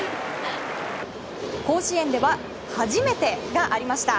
甲子園では初めてがありました。